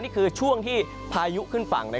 นี่คือช่วงที่พายุขึ้นฝั่ง